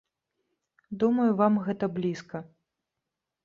Думаю, вам гэта блізка.